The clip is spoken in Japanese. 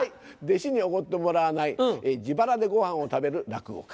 弟子におごってもらわない自腹でごはんを食べる落語家。